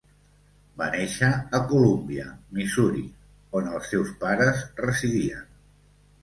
Va néixer a Columbia, Missouri, on els seus pares residien.